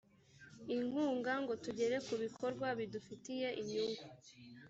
inkunga ngo tugere ku bikorwa bidufitiye inyungu